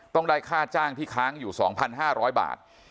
ต้องได้ค่าจ้างที่ค้างอยู่๒๕๐๐บาท